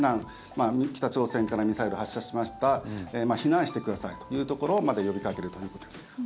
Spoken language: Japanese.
北朝鮮からミサイル発射しました避難してくださいというところまで呼びかけるということです。